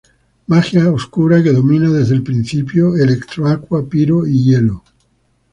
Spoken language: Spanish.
Magia oscura que domina desde el principio: Electro, Aqua, Piro y Hielo.